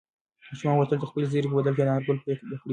ماشوم غوښتل چې د خپل زېري په بدل کې د انارګل پګړۍ وګوري.